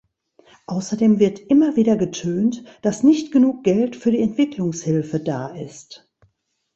Außerdem wird immer wieder getönt, dass nicht genug Geld für die Entwicklungshilfe da ist.